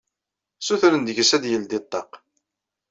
Sutren deg-s ad yeldi ṭṭaq.